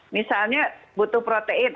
misalnya butuh protein